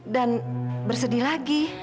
dan bersedih lagi